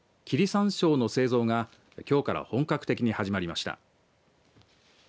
山椒の製造が、きょうから本格的に始まりました。